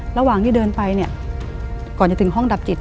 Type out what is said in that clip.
ระหว่างที่เดินไปเนี่ยก่อนจะถึงห้องดับจิต